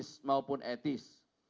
bidis maupun etis